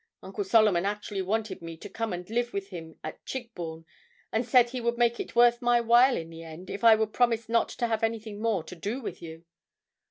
Uncle Solomon actually wanted me to come and live with him at Chigbourne, and said he would make it worth my while in the end, if I would promise not to have anything more to do with you.'